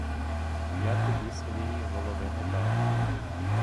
Я тобі своєї голови не дам!